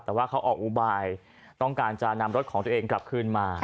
แต่ว่าเขาออกอุบายต้องการจะนำรถของตัวเองกลับคืนมา